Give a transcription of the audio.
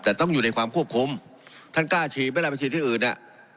แต่ต้องอยู่ในความควบคุมท่านกล้าฉีดไหมล่ะไปฉีดที่อื่นอ่ะ